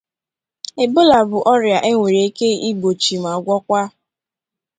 Ebola bụ ọrịa enwere ike igbochi ma gwọkwaa."